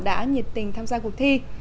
đã nhiệt tình tham gia cuộc thi